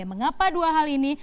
mengapa dua hal ini